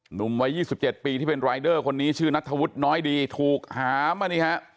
หนุ่มวัย๒๗ปีที่เป็นรายเดอร์คนนี้ชื่อนัทธวุฒิน้อยดีถูกหามานี่ฮะ